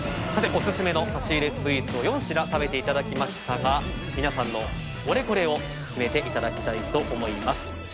お薦めの差し入れスイーツを４品食べていただきましたが皆さんのオレコレを決めていただきたいと思います。